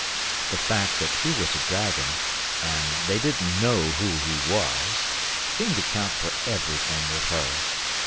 The fact that he was a dragon and "they didn't know who he was" seemed to count for everything with her.